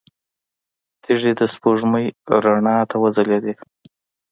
تيږې د سپوږمۍ رڼا ته وځلېدې.